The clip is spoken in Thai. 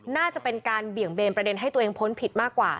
น่าจะเป็นการเบี่ยงเบนประเด็นให้ตัวเองพ้นผิดมากกว่า